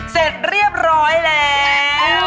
เสร็จเรียบร้อยแล้ว